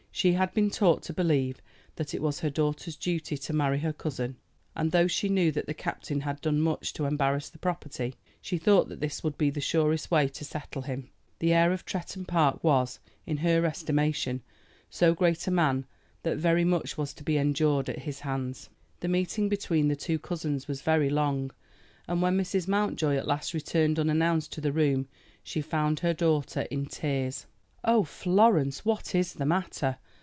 She had been taught to believe that it was her daughter's duty to marry her cousin; and though she knew that the captain had done much to embarrass the property, she thought that this would be the surest way to settle him. The heir of Tretton Park was, in her estimation, so great a man that very much was to be endured at his hands. The meeting between the two cousins was very long, and when Mrs. Mountjoy at last returned unannounced to the room she found her daughter in tears. "Oh, Florence, what is the matter?"